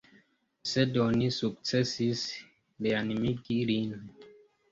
Sed oni sukcesis reanimigi lin.